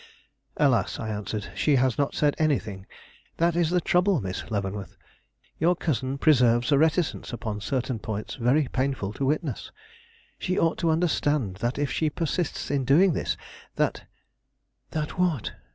"Alas!" I answered, "she has not said anything. That is the trouble, Miss Leavenworth. Your cousin preserves a reticence upon certain points very painful to witness. She ought to understand that if she persists in doing this, that " "That what?"